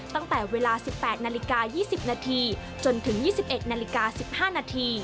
ตั้งแต่เวลา๑๘น๒๐นจนถึง๒๑น๑๕น